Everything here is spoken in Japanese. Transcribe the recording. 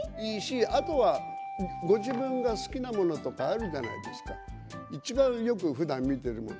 あとはご自分が好きなものとかあるじゃないですかいちばんよくふだん見ているもの。